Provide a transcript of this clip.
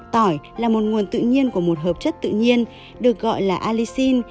tỏi là một nguồn tự nhiên của một hợp chất tự nhiên được gọi là alixin